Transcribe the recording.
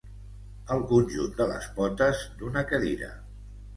El conjunt de les potes d'una cadira.